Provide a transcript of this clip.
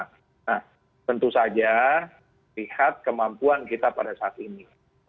nah tentu saja lihat kemampuan kita pada saat ini